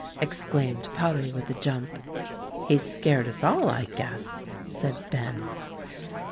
exclaimed Polly with a jump. "He scared us all, I guess," said Ben.